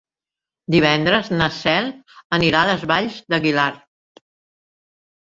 Divendres na Cel anirà a les Valls d'Aguilar.